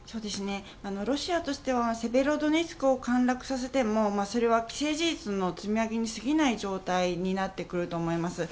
ロシアとしてはセベロドネツクを陥落させてもそれは既成事実の積み上げに過ぎないことになると思います。